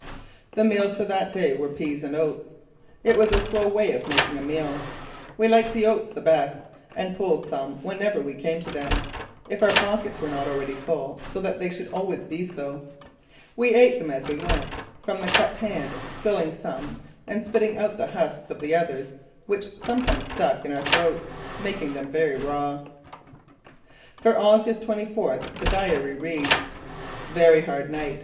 The meals for that day were peas and oats. It was a slow way of making a meal. We liked the oats the best and pulled some whenever we came to them, if our pockets were not already full, so that they should always be so. We ate them as we went, from the cupped hand, spilling some and spitting out the husks of the others which sometimes stuck in our throats, making them very raw. For August twenty fourth the diary reads: "Very hard night.